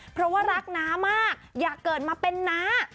เพราะว่ารักน้ามากอยากเกิดมาเป็นน้า